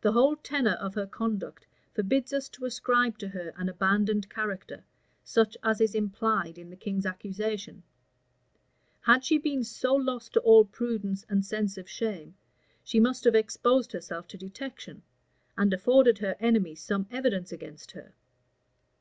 The whole tenor of her conduct forbids us to ascribe to her an abandoned character, such as is implied in the king's accusation: had she been so lost to all prudence and sense of shame, she must have exposed herself to detection, and afforded her enemies some evidence against her.